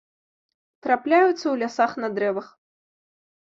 Трапляюцца ў лясах на дрэвах.